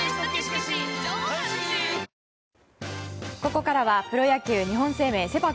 ここからはプロ野球日本生命セ・パ